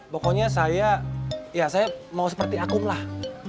pokoknya saya ya saya mau seperti akum lah